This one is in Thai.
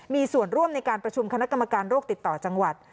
มีส่วนร่วมในการประชุมคณะกรรมการโรคติดต่อจังหวัด